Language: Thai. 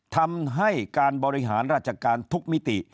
ทำให้การบริหารราชการทุกมิติ